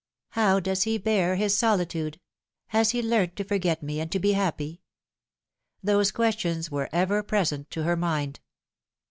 " How does he bear his solitude ? Has he learnt to forget me and to be happy ?" Those questions were ever present to her mind.